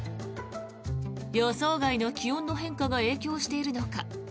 予想外の気温の変化が影響しているのか